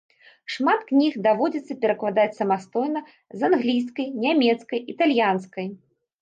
Шмат кніг даводзіцца перакладаць самастойна з англійскай, нямецкай, італьянскай.